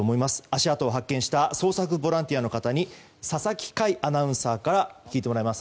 足跡を発見した捜索ボランティアの方に佐々木快アナウンサーから聞いてもらいます。